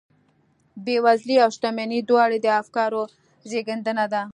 بېوزلي او شتمني دواړې د افکارو زېږنده دي.